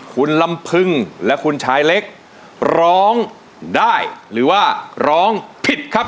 คุณลำพึงและคุณชายเล็กร้องได้หรือว่าร้องผิดครับ